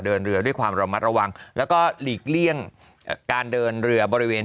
เดินเรือด้วยความระมัดระวังแล้วก็หลีกเลี่ยงการเดินเรือบริเวณ